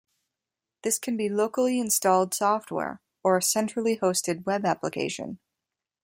This can be locally installed software, or a centrally hosted web application.